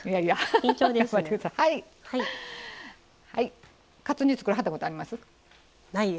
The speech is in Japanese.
緊張です。カツ煮作らはったことあります？